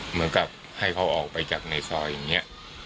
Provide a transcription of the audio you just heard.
เหมือนกับให้เขาออกไปจากในซอยอย่างนี้